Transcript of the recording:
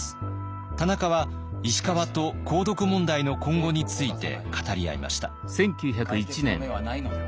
田中は石川と鉱毒問題の今後について語り合いました。